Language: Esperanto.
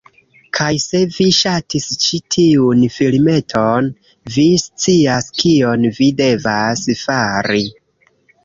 Kaj se vi ŝatis ĉi tiun filmeton, vi scias kion vi devas fari.